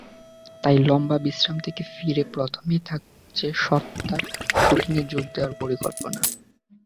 তাই লম্বা বিশ্রাম থেকে ফিরে প্রথমেই থাকছে সত্তার শুটিংয়ে যোগ দেওয়ার পরিকল্পনা।